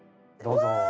どうぞ。